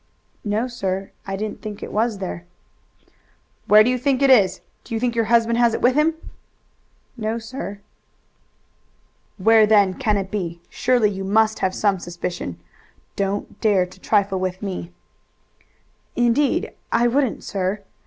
"No, sir, I didn't think it was there." "Where do you think it is? Do you think your husband has it with him?" "No, sir." "Where then can it be? Surely you must have some suspicion. Don't dare to trifle with me." "Indeed I wouldn't, sir.